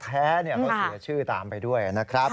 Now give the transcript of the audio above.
แท้เขาเสียชื่อตามไปด้วยนะครับ